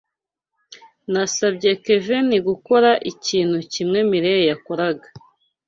Nasabye Kevin gukora ikintu kimwe Mirelle yakoraga.